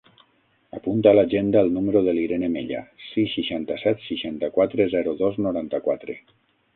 Apunta a l'agenda el número de l'Irene Mella: sis, seixanta-set, seixanta-quatre, zero, dos, noranta-quatre.